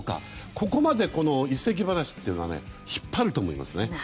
ここまで移籍話というのは引っ張ると思いますね。